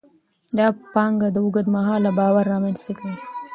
دا پانګه د اوږد مهاله باور رامینځته کوي.